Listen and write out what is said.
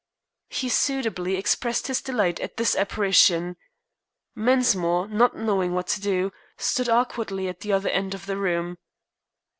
He suitably expressed his delight at this apparition. Mensmore, not knowing what to do, stood awkwardly at the other end of the room.